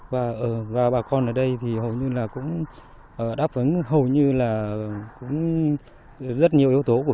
và bà con ở đây thì hầu như là cũng đáp ứng hầu như là cũng rất nhiều yếu tố của